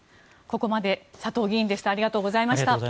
ここまで佐藤議員でした。